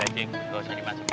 udah cik ga usah dimasukin